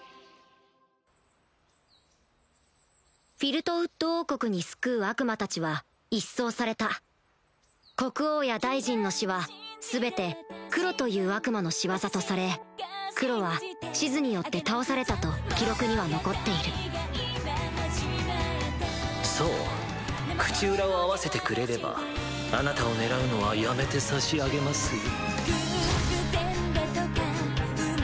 フィルトウッド王国に巣くう悪魔たちは一掃された国王や大臣の死は全てクロという悪魔の仕業とされクロはシズによって倒されたと記録には残っているそう口裏を合わせてくれればあなたを狙うのはやめてさしあげますよ